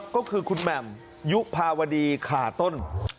ก็คือคุณแหม่มยุภาวดีขาต้น